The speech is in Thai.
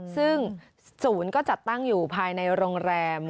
ซึ่งศูนย์ก็จัดตั้งอยู่ภายในโรงแรม